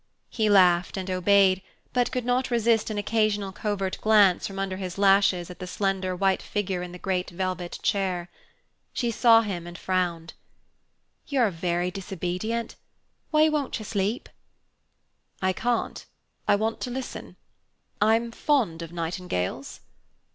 He laughed and obeyed, but could not resist an occasional covert glance from under his lashes at the slender white figure in the great velvet chair. She saw him and frowned. "You are very disobedient; why won't you sleep?" "I can't, I want to listen. I'm fond of nightingales."